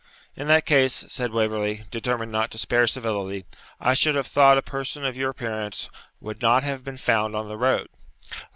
'In that case,' said Waverley, determined not to spare civility, 'I should have thought a person of your appearance would not have been found on the road.'